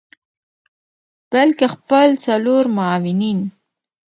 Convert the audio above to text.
بلکه خپل څلور معاونین